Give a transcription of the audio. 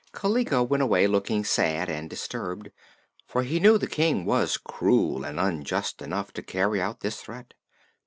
Kaliko went away looking sad and disturbed, for he knew the King was cruel and unjust enough to carry out this threat.